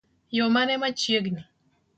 Yoo mane machiegni?